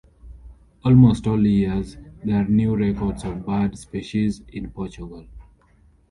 Almost all years, there are new records of bird species in Portugal.